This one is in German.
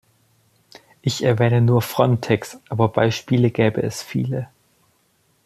Ich erwähne nur Frontex, aber Beispiele gäbe es viele.